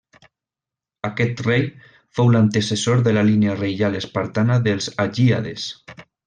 Aquest rei fou l'antecessor de la línia reial espartana dels agíades.